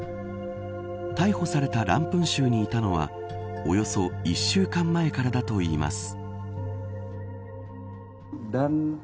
逮捕されたランプン州にいたのはおよそ１週間前からだといいます。